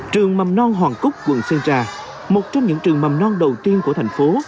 trường mầm non hoàng cúc quận sơn trà một trong những trường mầm non đầu tiên của thành phố